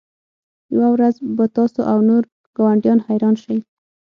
یوه ورځ به تاسو او نور ګاونډیان حیران شئ